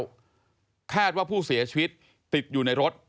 แล้วคาดว่าผู้เสียชีวิตติดอยู่ในรถ